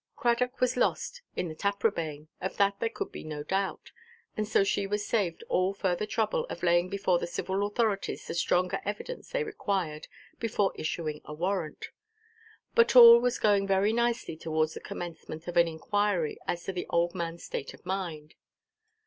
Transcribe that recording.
Cradock was lost in the Taprobane,—of that there could be no doubt; and so she was saved all further trouble of laying before the civil authorities the stronger evidence they required before issuing a warrant. But all was going very nicely towards the commencement of an inquiry as to the old manʼs state of mind.